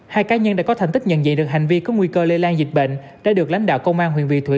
hai cá nhân đã có thành tích nhận diện được hành vi có nguy cơ lây lan dịch bệnh đã được lãnh đạo công an huyện vị thủy